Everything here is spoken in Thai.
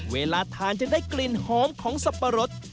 เวลาทานจึงได้กลิ่นหอมของสับปะรด